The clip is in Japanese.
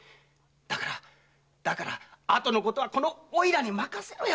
だからだからあとのことはこのおいらに任せろよ。